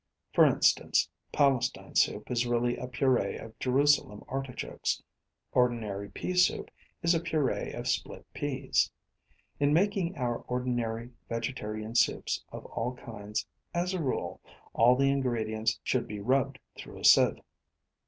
For instance, Palestine soup is really a puree of Jerusalem artichokes; ordinary pea soup is a puree of split peas. In making our ordinary vegetarian soups of all kinds, as a rule, all the ingredients should be rubbed through a sieve.